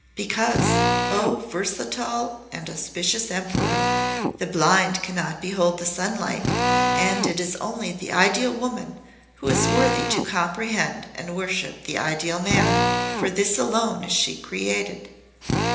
"Because, O versatile and auspicious Emperor, the blind cannot behold the sunlight, and it is only the Ideal Woman who is worthy to comprehend and worship the Ideal Man. For this alone is she created."